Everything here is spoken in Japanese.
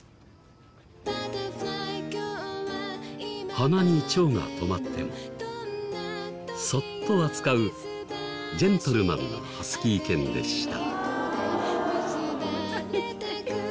鼻にチョウが止まってもそっと扱うジェントルマンなハスキー犬でした。